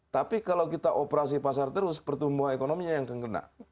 tapi kalau kita operasi pasar terus pertumbuhan ekonominya yang kena